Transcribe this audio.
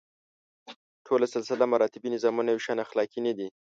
ټول سلسله مراتبي نظامونه یو شان اخلاقي نه دي.